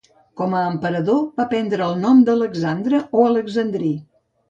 Com a emperador va prendre el nom d'Alexandre o Alexandrí.